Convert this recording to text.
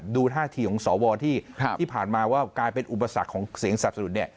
ดูท่าทีของสวที่ผ่านมาว่ากลายเป็นอุปสรรคของเสียงสนับสนุนเนี่ย